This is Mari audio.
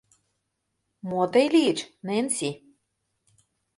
— Мо тый лийыч, Ненси?